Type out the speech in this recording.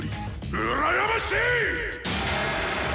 うらやましい！